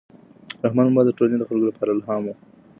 رحمان بابا د ټولنې د خلکو لپاره الهام و.